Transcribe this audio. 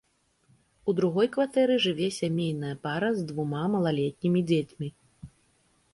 У другой кватэры жыве сямейная пара з двума малалетнімі дзецьмі.